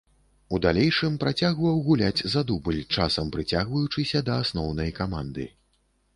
У далейшым працягваў гуляць за дубль, часам прыцягваючыся да асноўнай каманды.